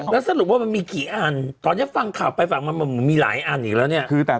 แล้วสรุปว่ามันมีกี่อันตอนนี้ฟังข่าวไปฟังมันมีหลายอันอีกแล้วเนี่ย